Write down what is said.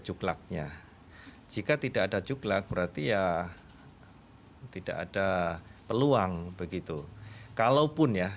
cuklaknya jika tidak ada cuklak berarti ya tidak ada peluang begitu kalaupun ya